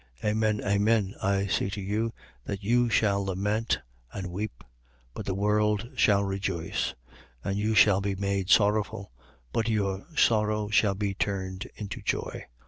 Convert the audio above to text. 16:20. Amen, amen, I say to you, that you shall lament and weep, but the world shall rejoice: and you shall be made sorrowful, but your sorrow shall be turned into joy.